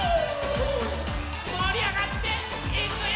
もりあがっていくよ！